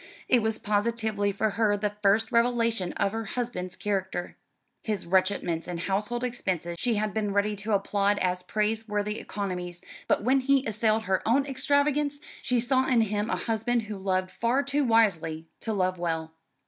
It was positively for her the first revelation of her husband's character. His retrenchments in household expenses she had been ready to applaud as praiseworthy economies; but when he assailed her own extravagance, she saw in him a husband who loved far too wisely to love well.